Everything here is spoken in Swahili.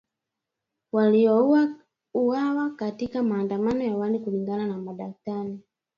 waliouawa katika maandamano ya awali kulingana na madaktari